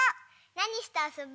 なにしてあそぶ？